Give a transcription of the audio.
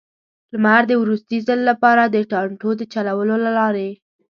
لمر د وروستي ځل لپاره، د ټانټو د چولو له لارې.